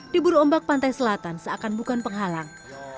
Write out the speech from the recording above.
diburu ombak pantai selatan seakan bukan penghalang